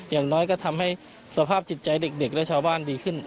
อย่างน้อยก็ทำให้สภาพจิตใจเด็กและชาวบ้านดีขึ้น